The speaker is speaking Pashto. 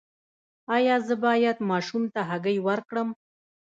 ایا زه باید ماشوم ته هګۍ ورکړم؟